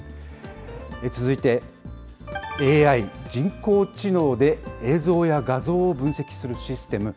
続いてＡＩ・人工知能で映像や画像を分析するシステム。